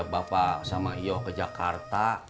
bapak sama io ke jakarta